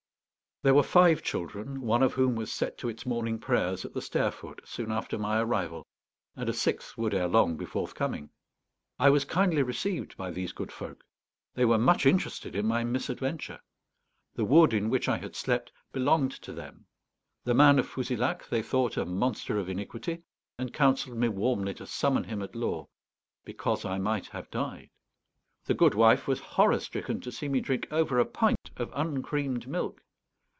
There were five children, one of whom was set to its morning prayers at the stair foot soon after my arrival, and a sixth would ere long be forthcoming. I was kindly received by these good folk. They were much interested in my misadventure. The wood in which I had slept belonged to them; the man of Fouzilhac they thought a monster of iniquity, and counseled me warmly to summon him at law "because I might have died." The good wife was horror stricken to see me drink over a pint of uncreamed milk.